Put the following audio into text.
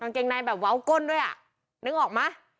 กางเกงไนท์แบบเว้าก้นด้วยอ่ะนึกออกมะอ๋อ